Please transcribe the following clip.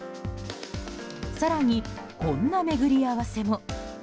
更に、こんな巡り合わせも。